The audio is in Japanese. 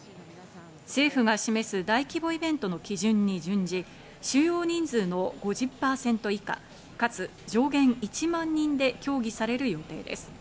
政府が示す大規模イベントの基準に準じ、収容人数の５０％以下、かつ上限１万人で協議される予定です。